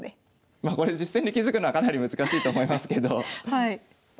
まあこれ実戦で気付くのはかなり難しいと思いますけどま